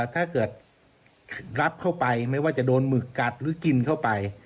ถ้าเกิดรับเข้าไปไม่ว่าจะโดนหมึกกัดหรือกินเข้าไป